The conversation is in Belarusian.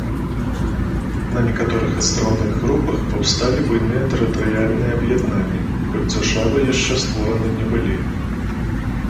На некаторых астраўных групах паўсталі буйныя тэрытарыяльныя аб'яднанні, хоць дзяржавы яшчэ створаны не былі.